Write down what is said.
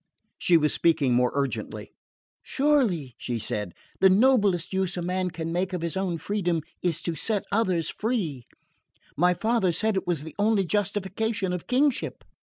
She was speaking more urgently. "Surely," she said, "the noblest use a man can make of his own freedom is to set others free. My father said it was the only justification of kingship."